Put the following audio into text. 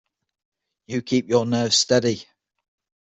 You keep your nerves steady.